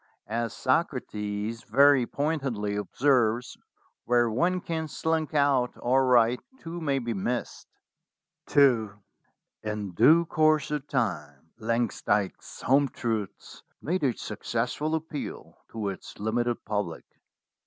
As Socrates very pointedly observes, where one can slink out all right two may be missed." II IN due course of time "Langsdyke's Home Truths" made a successful appeal to its limited public.